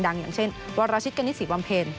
อย่างเช่นวัตรราชิตเกณฑ์สีบอมเพลน